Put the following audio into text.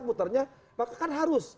muternya maka kan harus